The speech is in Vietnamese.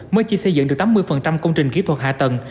mới chỉ xây dựng được tám mươi công trình kỹ thuật hạ tầng